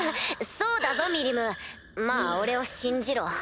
そうだぞミリムまぁ俺を信じろ。